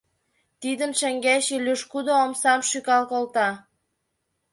Тидын шеҥгеч Илюш кудо омсам шӱкал колта.